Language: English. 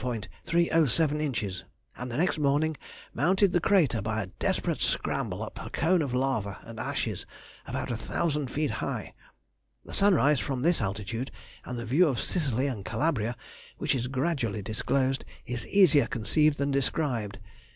—and next morning mounted the crater by a desperate scramble up a cone of lava and ashes, about 1,000 feet high. The sunrise from this altitude, and the view of Sicily and Calabria, which is gradually disclosed, is easier conceived than described.